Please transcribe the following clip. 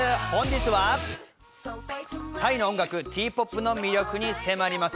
本日はタイの音楽、Ｔ−ＰＯＰの魅力に迫ります。